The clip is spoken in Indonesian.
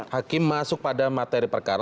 hakim masuk pada materi perkara